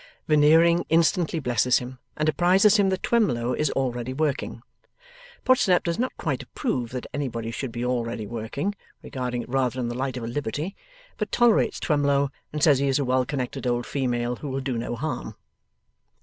Veneering instantly blesses him, and apprises him that Twemlow is already working. Podsnap does not quite approve that anybody should be already working regarding it rather in the light of a liberty but tolerates Twemlow, and says he is a well connected old female who will do no harm.